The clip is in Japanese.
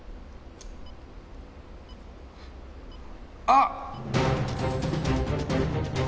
あっ！